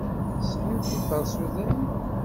Tesɛid tiferṣuday?